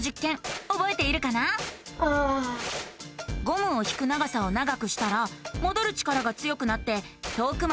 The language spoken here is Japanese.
ゴムを引く長さを長くしたらもどる力が強くなって遠くまでうごいたよね。